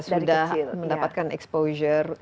sudah mendapatkan exposure